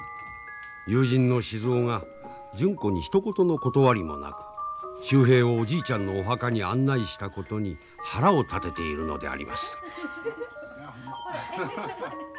友人の静尾が純子にひと言の断りもなく秀平をおじいちゃんのお墓に案内したことに腹を立てているのであります。